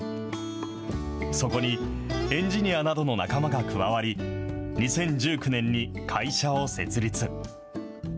そこにエンジニアなどの仲間が加わり、２０１９年に会社を設立。